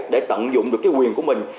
để tận dụng được cái quyền của mình